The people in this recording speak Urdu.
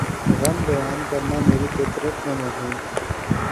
غم بیان کرنا میری فطرت میں نہیں